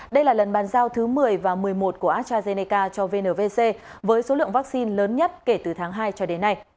đây là lần bàn giao thứ một mươi và một mươi một của astrazeneca cho vnvc với số lượng vaccine lớn nhất kể từ tháng hai cho đến nay